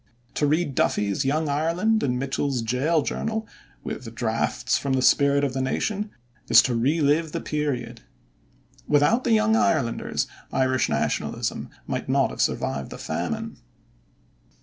To read Duffy's "Young Ireland" and Mitchel's "Jail Journal", with draughts from the Spirit of the Nation. is to relive the period. Without the Young Irelanders, Irish Nationalism might not have survived the Famine.